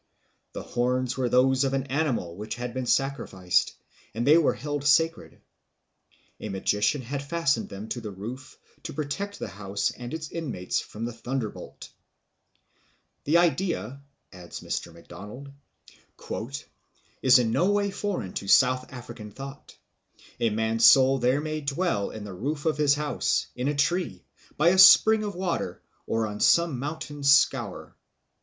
The horns were those of an animal which had been sacrificed, and they were held sacred. A magician had fastened them to the roof to protect the house and its inmates from the thunder bolt. "The idea," adds Mr. Macdonald, "is in no way foreign to South African thought. A man's soul there may dwell in the roof of his house, in a tree, by a spring of water, or on some mountain scaur."